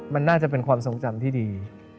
มันน่าจะเป็นความทรงจำที่ดี